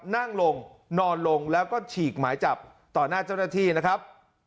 นั่งลงนอนลงแล้วก็ฉีกหมายจับต่อหน้าเจ้าหน้าที่นะครับ